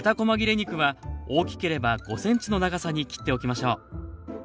肉は大きければ５ｃｍの長さに切っておきましょう。